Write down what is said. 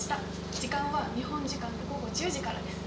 時間は日本時間で午後１０時からです。